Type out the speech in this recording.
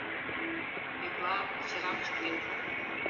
Пӧкла, чырам чӱктен пу.